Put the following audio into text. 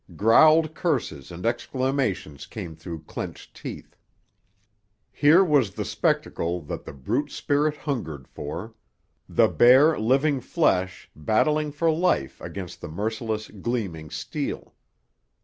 Growled curses and exclamations came through clenched teeth. Here was the spectacle that the brute spirit hungered for—the bare, living flesh battling for life against the merciless, gleaming steel.